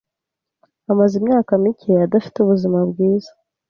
Amaze imyaka mike adafite ubuzima bwiza.